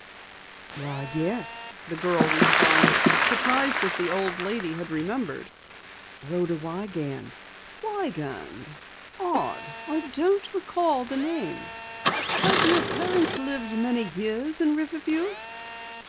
"Why, yes," the girl responded, surprised that the old lady had remembered. "Rhoda Wiegand." "Wiegand odd, I don't recall the name. Have your parents lived many years in Riverview?"